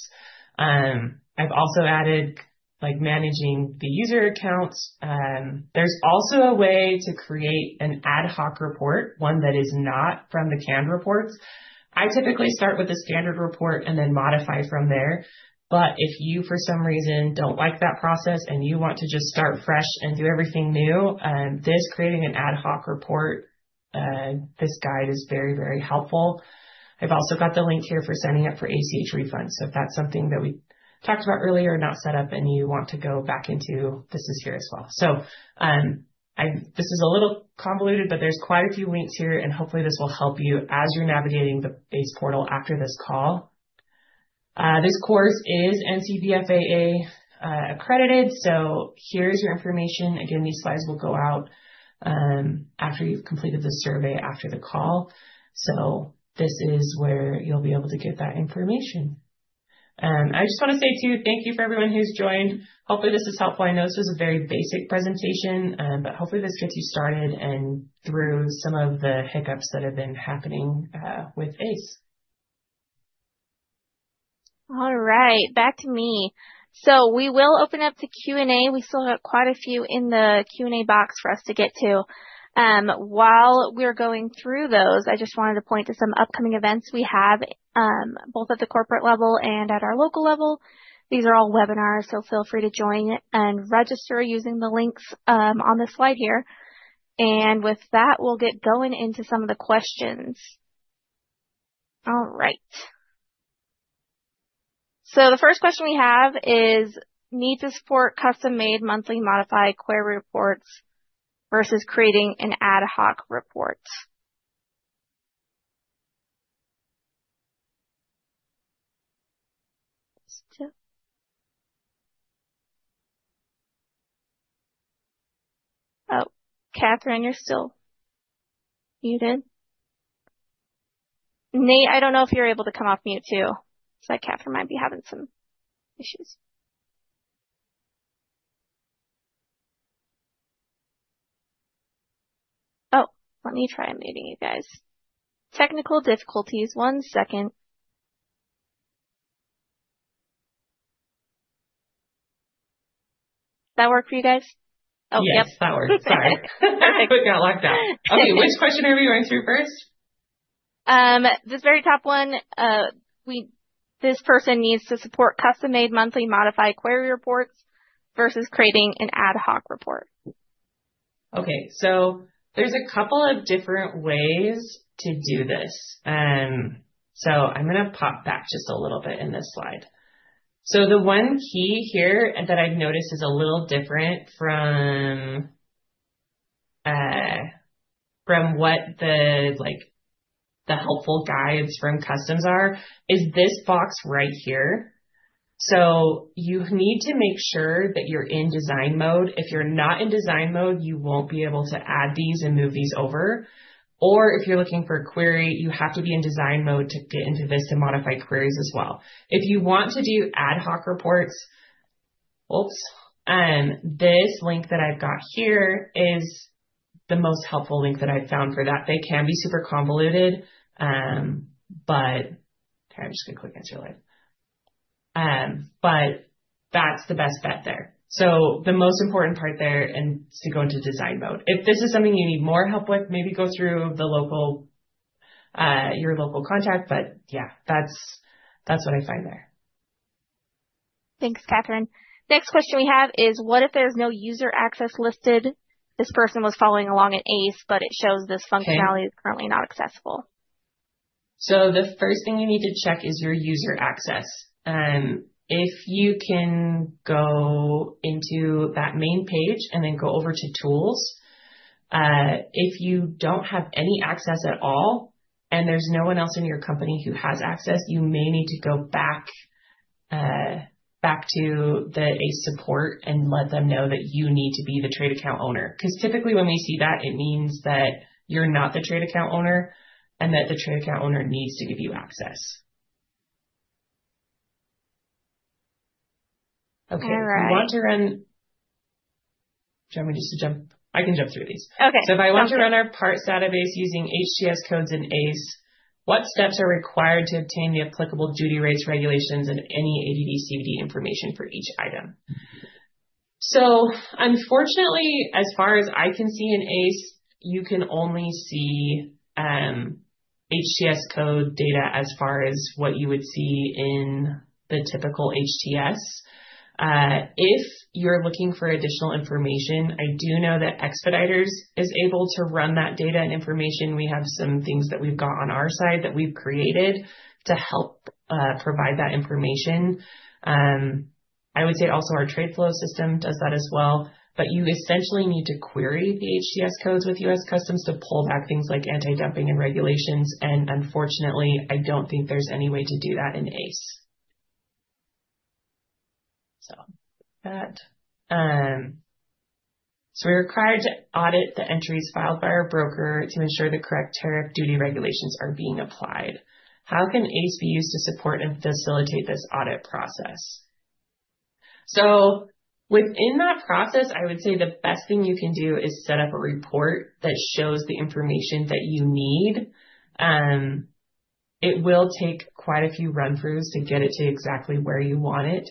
I've also added, like, managing the user accounts. There's also a way to create an ad hoc report, one that is not from the canned reports. I typically start with a standard report and then modify from there. But if you, for some reason, don't like that process and you want to just start fresh and do everything new, this creating an ad hoc report, this guide is very, very helpful. I've also got the link here for signing up for ACH refunds. So if that's something that we talked about earlier, not set up and you want to go back into, this is here as well. So, this is a little convoluted, but there's quite a few links here, and hopefully, this will help you as you're navigating the ACE Portal after this call. This course is NCBFAA accredited, so here's your information. Again, these slides will go out, after you've completed the survey after the call. So this is where you'll be able to get that information. I just want to say, too, thank you for everyone who's joined. Hopefully, this is helpful. I know this was a very basic presentation, but hopefully, this gets you started and through some of the hiccups that have been happening, with ACE.... All right, back to me. So we will open up the Q&A. We still have quite a few in the Q&A box for us to get to. While we're going through those, I just wanted to point to some upcoming events we have, both at the corporate level and at our local level. These are all webinars, so feel free to join and register using the links, on this slide here. And with that, we'll get going into some of the questions. All right. So the first question we have is: need to support custom-made monthly modified query reports versus creating an ad hoc report. Oh, Katherine, you're still muted. Nate, I don't know if you're able to come off mute, too, so Katherine might be having some issues. Oh, let me try unmuting you guys. Technical difficulties. One second. That work for you guys? Yes, that works. Sorry. All right. Quick got locked out. Okay, which question are we going through first? This very top one. This person needs to support custom-made monthly modified query reports versus creating an ad hoc report. Okay, so there's a couple of different ways to do this. So I'm going to pop back just a little bit in this slide. So the one key here that I've noticed is a little different from, from what the, like, the helpful guides from Customs are, is this box right here. So you need to make sure that you're in design mode. If you're not in design mode, you won't be able to add these and move these over. Or if you're looking for a query, you have to be in design mode to get into this and modify queries as well. If you want to do ad hoc reports, oops, this link that I've got here is the most helpful link that I've found for that. They can be super convoluted, but... Here, I'm just going to click enter live. But that's the best bet there. So the most important part there is to go into design mode. If this is something you need more help with, maybe go through your local contact. But yeah, that's, that's what I find there. Thanks, Katherine. Next question we have is: what if there's no user access listed? This person was following along in ACE, but it shows this functionality is currently not accessible. So the first thing you need to check is your user access. If you can go into that main page and then go over to Tools, if you don't have any access at all, and there's no one else in your company who has access, you may need to go back to the ACE Support and let them know that you need to be the Trade Account Owner. Because typically when we see that, it means that you're not the Trade Account Owner and that the Trade Account Owner needs to give you access. Okay. All right. If you want to run... Do you want me just to jump? I can jump through these. Okay. So if I want to run our parts database using HTS codes in ACE, what steps are required to obtain the applicable duty rates, regulations, and any ADD/CVD information for each item? So unfortunately, as far as I can see in ACE, you can only see HTS code data as far as what you would see in the typical HTS. If you're looking for additional information, I do know that Expeditors is able to run that data and information. We have some things that we've got on our side that we've created to help provide that information. I would say also our TradeFlow system does that as well, but you essentially need to query the HTS codes with U.S. Customs to pull back things like anti-dumping and regulations. And unfortunately, I don't think there's any way to do that in ACE. So that. We're required to audit the entries filed by our broker to ensure the correct tariff duty regulations are being applied. How can ACE be used to support and facilitate this audit process? Within that process, I would say the best thing you can do is set up a report that shows the information that you need. It will take quite a few run-throughs to get it to exactly where you want it,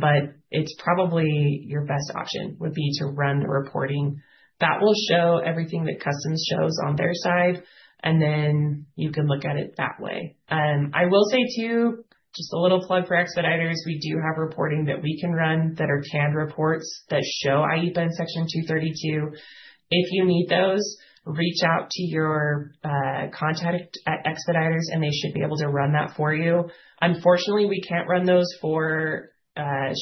but it's probably your best option, would be to run the reporting. That will show everything that Customs shows on their side, and then you can look at it that way. I will say, too, just a little plug for Expeditors, we do have reporting that we can run that are canned reports that show ITA and Section 232. If you need those, reach out to your contact at Expeditors, and they should be able to run that for you. Unfortunately, we can't run those for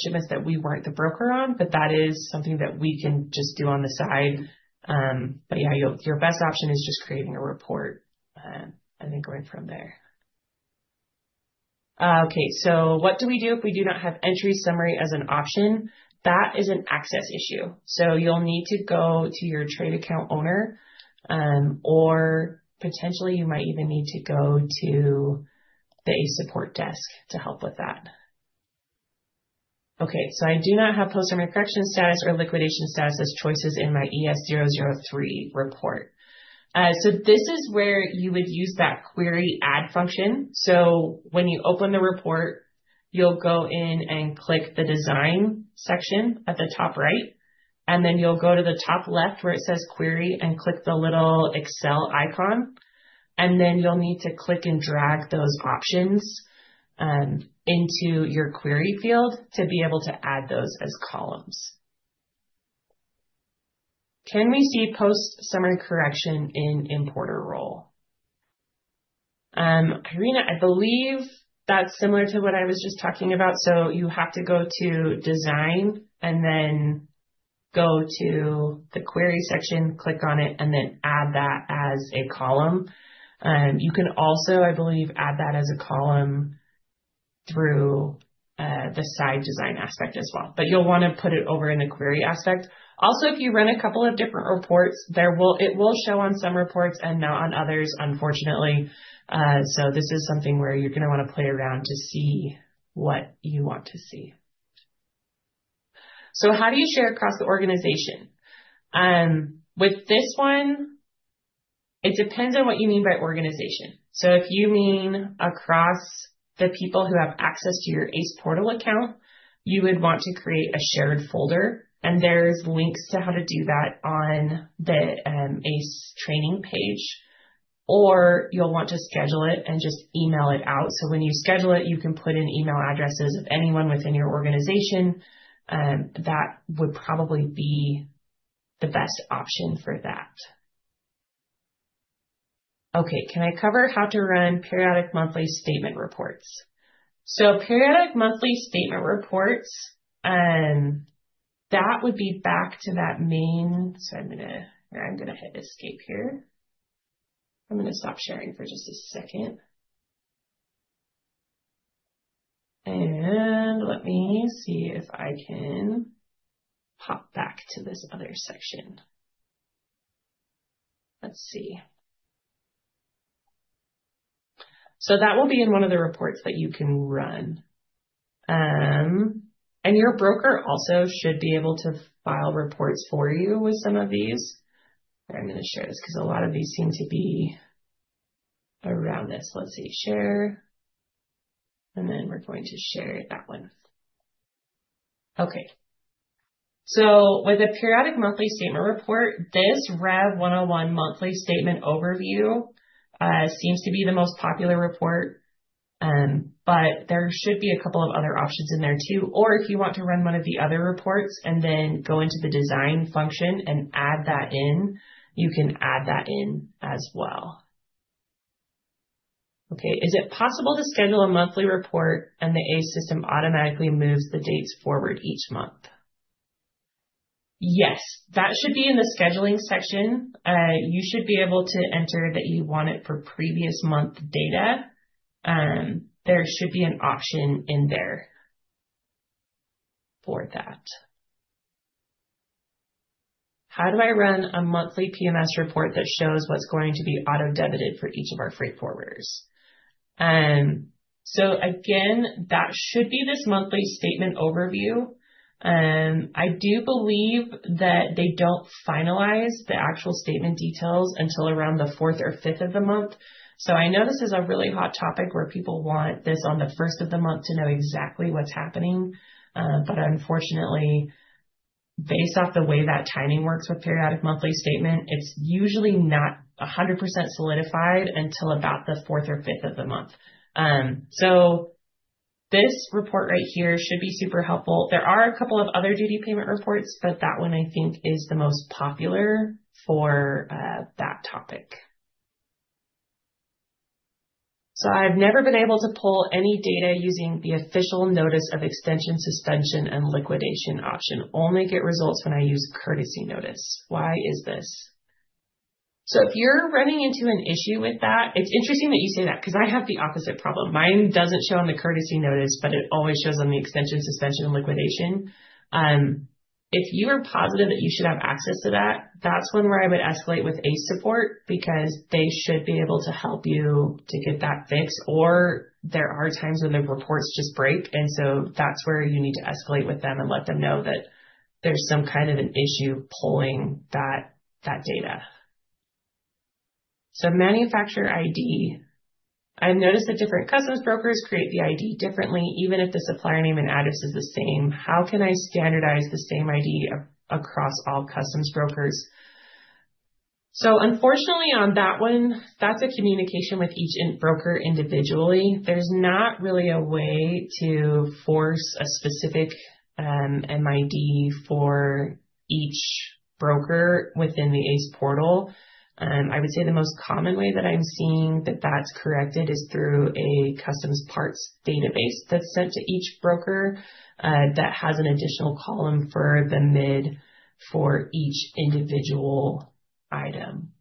shipments that we weren't the broker on, but that is something that we can just do on the side. But yeah, your best option is just creating a report, and then going from there. Okay, so what do we do if we do not have Entry Summary as an option? That is an access issue, so you'll need to go to your Trade Account Owner, or potentially you might even need to go to the ACE Support desk to help with that. Okay, so I do not have Post Summary Correction status or liquidation status as choices in my ES 003 report. So this is where you would use that query add function. So when you open the report, you'll go in and click the Design section at the top right, and then you'll go to the top left, where it says Query, and click the little Excel icon. And then you'll need to click and drag those options into your query field to be able to add those as columns. Can we see Post Summary Correction in importer role? Karina, I believe that's similar to what I was just talking about. So you have to go to Design and then go to the Query section, click on it, and then add that as a column. You can also, I believe, add that as a column through the side design aspect as well, but you'll want to put it over in the query aspect. Also, if you run a couple of different reports, there will—it will show on some reports and not on others, unfortunately. So this is something where you're going to want to play around to see what you want to see. So how do you share across the organization? With this one, it depends on what you mean by organization. So if you mean across the people who have access to your ACE portal account, you would want to create a shared folder, and there's links to how to do that on the ACE training page. Or you'll want to schedule it and just email it out. So when you schedule it, you can put in email addresses of anyone within your organization. That would probably be the best option for that. Okay, can I cover how to run periodic monthly statement reports? So Periodic Monthly Statement reports. So I'm going to hit Escape here. I'm going to stop sharing for just a second. Let me see if I can pop back to this other section. Let's see. So that will be in one of the reports that you can run. And your broker also should be able to file reports for you with some of these. I'm going to share this because a lot of these seem to be around this. Let's see, Share, and then we're going to share that one. Okay, so with the Periodic Monthly Statement report, this Rev 101 monthly statement overview seems to be the most popular report. But there should be a couple of other options in there too. Or if you want to run one of the other reports and then go into the design function and add that in, you can add that in as well. Okay. Is it possible to schedule a monthly report and the ACE system automatically moves the dates forward each month? Yes, that should be in the scheduling section. You should be able to enter that you want it for previous month data. There should be an option in there for that. How do I run a monthly PMS report that shows what's going to be auto-debited for each of our freight forwarders? So again, that should be this monthly statement overview. I do believe that they don't finalize the actual statement details until around the fourth or fifth of the month. So I know this is a really hot topic where people want this on the first of the month to know exactly what's happening. But unfortunately, based off the way that timing works with periodic monthly statement, it's usually not 100% solidified until about the fourth or fifth of the month. So this report right here should be super helpful. There are a couple of other duty payment reports, but that one, I think, is the most popular for that topic. So I've never been able to pull any data using the official notice of extension, suspension, and liquidation option. Only get results when I use courtesy notice. Why is this? So if you're running into an issue with that, it's interesting that you say that, because I have the opposite problem. Mine doesn't show on the courtesy notice, but it always shows on the extension, suspension, and liquidation. If you are positive that you should have access to that, that's one where I would escalate with ACE Support because they should be able to help you to get that fixed, or there are times when the reports just break, and so that's where you need to escalate with them and let them know that there's some kind of an issue pulling that data. So manufacturer ID. I've noticed that different customs brokers create the ID differently, even if the supplier name and address is the same. How can I standardize the same ID across all customs brokers? So unfortunately, on that one, that's a communication with each broker individually. There's not really a way to force a specific MID for each broker within the ACE Portal. I would say the most common way that I'm seeing that that's corrected is through a customs parts database that's sent to each broker, that has an additional column for the MID for each individual item.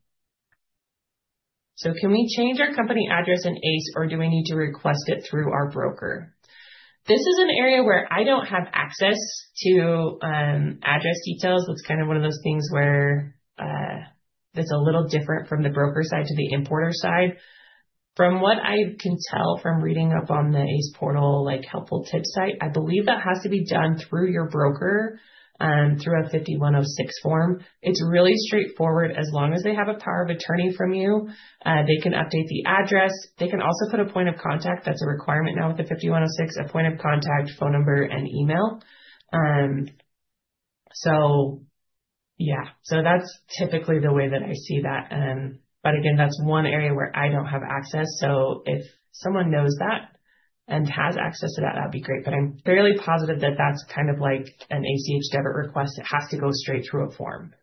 So can we change our company address in ACE, or do we need to request it through our broker? This is an area where I don't have access to address details. That's kind of one of those things where it's a little different from the broker side to the importer side. From what I can tell from reading up on the ACE portal, like, helpful tips site, I believe that has to be done through your broker, through a 5106 form. It's really straightforward. As long as they have a power of attorney from you, they can update the address. They can also put a point of contact. That's a requirement now with the 5106, a point of contact, phone number, and email. So yeah. So that's typically the way that I see that. But again, that's one area where I don't have access, so if someone knows that and has access to that, that'd be great, but I'm fairly positive that that's kind of like an ACH debit request. It has to go straight through a form.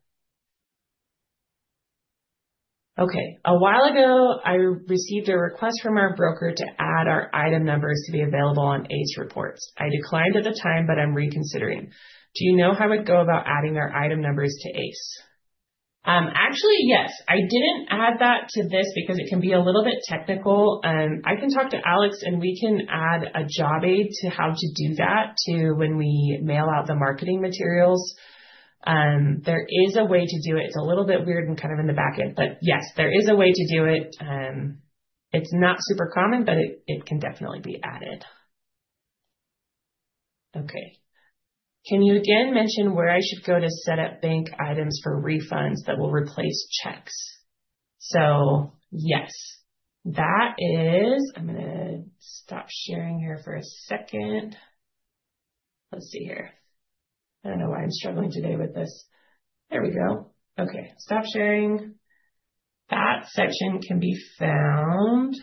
Okay. A while ago, I received a request from our broker to add our item numbers to be available on ACE reports. I declined at the time, but I'm reconsidering. Do you know how I'd go about adding our item numbers to ACE? Actually, yes. I didn't add that to this because it can be a little bit technical. I can talk to Alex, and we can add a job aid to how to do that to when we mail out the marketing materials. There is a way to do it. It's a little bit weird and kind of in the back end, but yes, there is a way to do it. It's not super common, but it can definitely be added. Okay. Can you again mention where I should go to set up bank items for refunds that will replace checks? So yes, that is... I'm gonna stop sharing here for a second. Let's see here. I don't know why I'm struggling today with this. There we go. Okay, stop sharing. That section can be found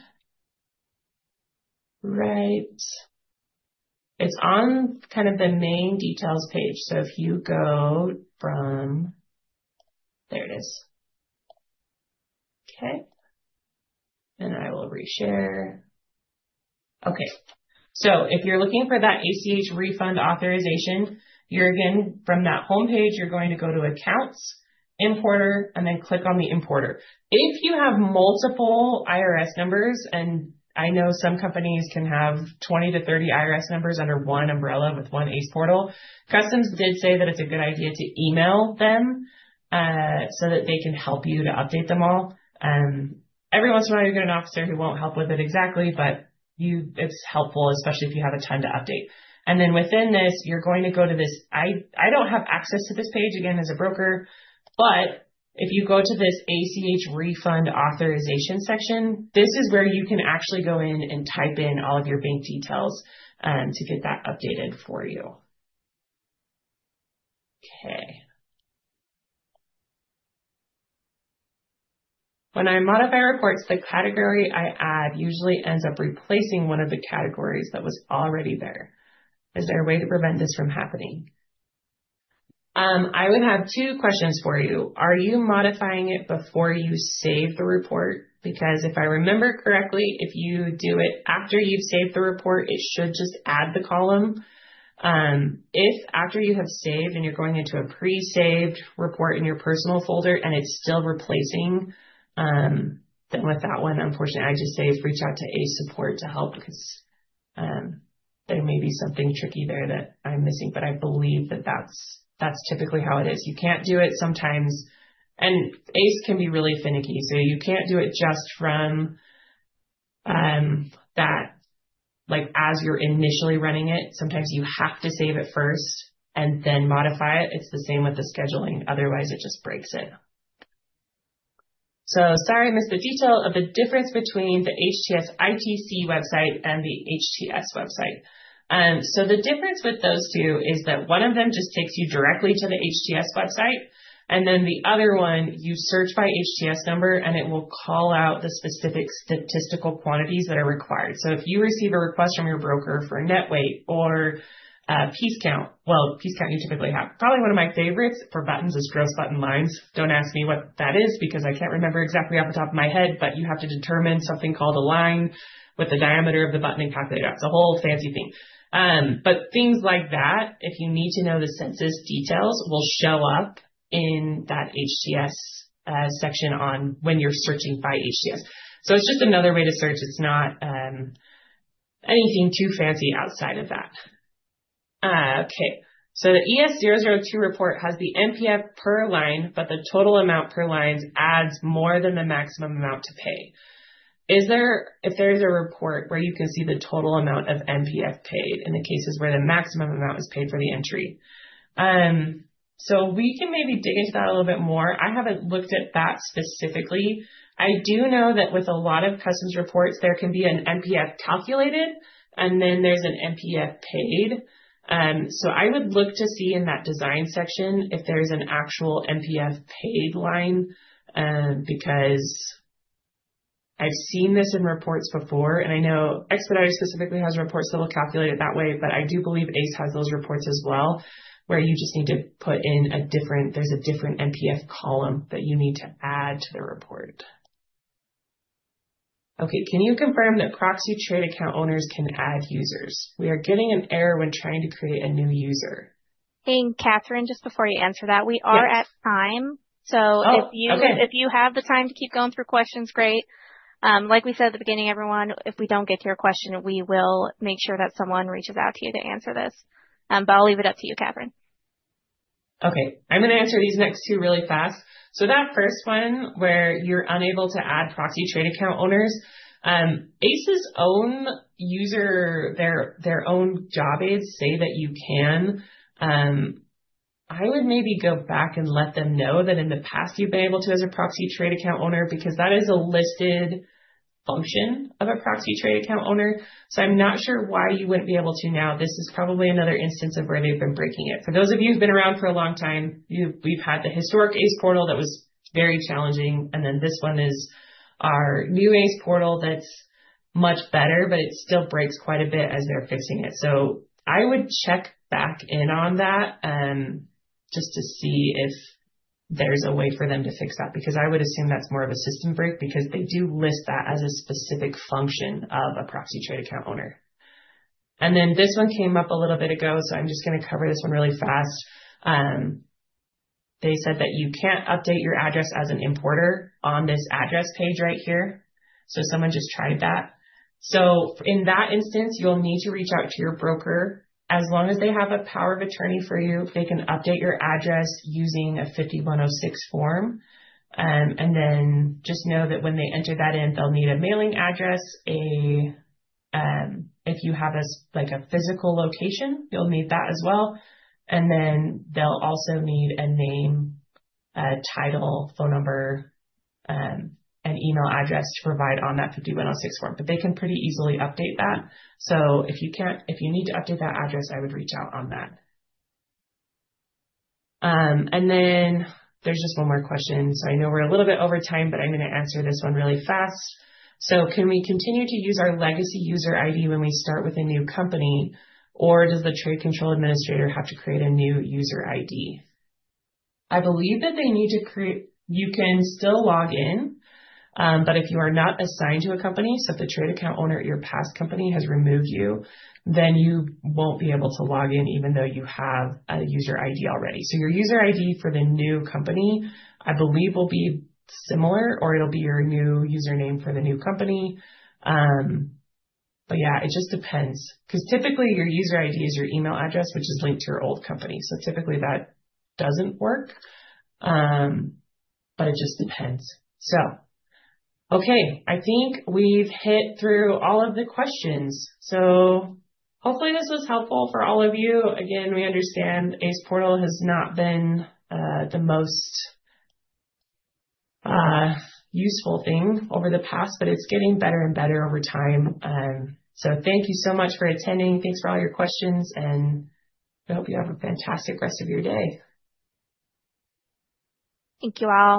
right. It's on kind of the main details page, so if you go from... There it is. Okay. And I will reshare. Okay, so if you're looking for that ACH Refund Authorization, you're again, from that homepage, you're going to go to Accounts, Importer, and then click on the importer. If you have multiple IRS numbers, and I know some companies can have 20-30 IRS numbers under one umbrella with one ACE Portal, Customs did say that it's a good idea to email them, so that they can help you to update them all. Every once in a while, you get an officer who won't help with it exactly, but it's helpful, especially if you have a ton to update. And then within this, you're going to go to this... I don't have access to this page, again, as a broker, but if you go to this ACH Refund Authorization section, this is where you can actually go in and type in all of your bank details, to get that updated for you. Okay. When I modify reports, the category I add usually ends up replacing one of the categories that was already there. Is there a way to prevent this from happening? I would have two questions for you: Are you modifying it before you save the report? Because if I remember correctly, if you do it after you've saved the report, it should just add the column. If after you have saved and you're going into a pre-saved report in your personal folder and it's still replacing, then with that one, unfortunately, I just say reach out to ACE Support to help, because, there may be something tricky there that I'm missing, but I believe that that's, that's typically how it is. You can't do it sometimes, and ACE can be really finicky, so you can't do it just from, that, like, as you're initially running it, sometimes you have to save it first and then modify it. It's the same with the scheduling, otherwise it just breaks it. So sorry, I missed the detail of the difference between the HTS-ITC website and the HTS website. So the difference with those two is that one of them just takes you directly to the HTS website, and then the other one, you search by HTS number, and it will call out the specific statistical quantities that are required. So if you receive a request from your broker for a net weight or piece count, well, piece count, you typically have. Probably one of my favorites for buttons is gross button lines. Don't ask me what that is, because I can't remember exactly off the top of my head, but you have to determine something called a line with the diameter of the button and calculate it out. It's a whole fancy thing. But things like that, if you need to know the census details, will show up in that HTS section on when you're searching by HTS. So it's just another way to search. It's not anything too fancy outside of that. Okay. So the ES 002 report has the MPF per line, but the total amount per lines adds more than the maximum amount to pay. If there is a report where you can see the total amount of MPF paid in the cases where the maximum amount is paid for the entry. So we can maybe dig into that a little bit more. I haven't looked at that specifically. I do know that with a lot of Customs reports, there can be an MPF calculated, and then there's an MPF paid. So, I would look to see in that design section if there's an actual MPF paid line, because I've seen this in reports before, and I know Expeditors specifically has reports that will calculate it that way, but I do believe ACE has those reports as well, where you just need to put in a different—there's a different MPF column that you need to add to the report. Okay. Can you confirm that Proxy Trade Account Owners can add users? We are getting an error when trying to create a new user. Hey, Katherine, just before you answer that, we are at time. Oh, okay. So if you, if you have the time to keep going through questions, great. Like we said at the beginning, everyone, if we don't get to your question, we will make sure that someone reaches out to you to answer this. But I'll leave it up to you, Katherine.... Okay, I'm going to answer these next two really fast. So that first one, where you're unable to add Proxy Trade Account Owners, ACE's own user—their own job aids say that you can. I would maybe go back and let them know that in the past, you've been able to as a Proxy Trade Account Owner, because that is a listed function of a Proxy Trade Account Owner. So I'm not sure why you wouldn't be able to now. This is probably another instance of where they've been breaking it. For those of you who've been around for a long time, you've—we've had the historic ACE Portal that was very challenging, and then this one is our new ACE Portal that's much better, but it still breaks quite a bit as they're fixing it. So I would check back in on that, just to see if there's a way for them to fix that, because I would assume that's more of a system break, because they do list that as a specific function of a Proxy Trade Account Owner. And then this one came up a little bit ago, so I'm just going to cover this one really fast. They said that you can't update your address as an importer on this address page right here, so someone just tried that. So in that instance, you'll need to reach out to your broker. As long as they have a power of attorney for you, they can update your address using a 5106 form. And then just know that when they enter that in, they'll need a mailing address, if you have, like, a physical location, you'll need that as well. And then they'll also need a name, a title, phone number, an email address to provide on that 5106 form, but they can pretty easily update that. So if you can't—if you need to update that address, I would reach out on that. And then there's just one more question. So I know we're a little bit over time, but I'm going to answer this one really fast. So can we continue to use our legacy user ID when we start with a new company, or does the Trade Control Administrator have to create a new user ID? I believe that they need to create... You can still log in, but if you are not assigned to a company, so if the Trade Account Owner at your past company has removed you, then you won't be able to log in, even though you have a user ID already. So your user ID for the new company, I believe, will be similar or it'll be your new username for the new company. But yeah, it just depends, because typically your user ID is your email address, which is linked to your old company. So typically that doesn't work, but it just depends. So, okay, I think we've hit through all of the questions, so hopefully this was helpful for all of you. Again, we understand ACE Portal has not been the most useful thing over the past, but it's getting better and better over time. So, thank you so much for attending. Thanks for all your questions, and I hope you have a fantastic rest of your day. Thank you, all.